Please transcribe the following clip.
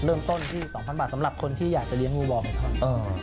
เริ่มต้นที่๒๐๐บาทสำหรับคนที่อยากจะเลี้ยงงูวอของเขา